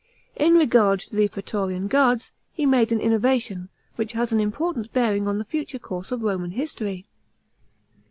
In regard to the prastorian guards, he made an innovation, which had an important bearing on the future course of Roman history.